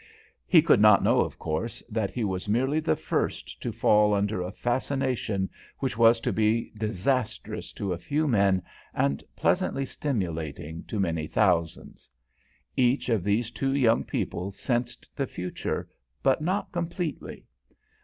He could not know, of course, that he was merely the first to fall under a fascination which was to be disastrous to a few men and pleasantly stimulating to many thousands. Each of these two young people sensed the future, but not completely.